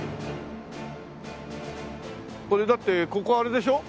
これだってここあれでしょ？